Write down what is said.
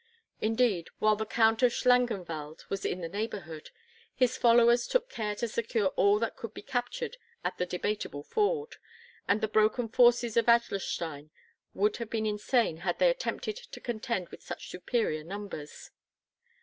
Indeed, while the Count of Schlangenwald was in the neighbourhood, his followers took care to secure all that could be captured at the Debateable Ford, and the broken forces of Adlerstein would have been insane had they attempted to contend with such superior numbers.